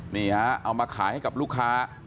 นี่ฮะเอามาขายให้กับลูกค้า